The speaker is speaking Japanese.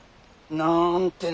なんてな。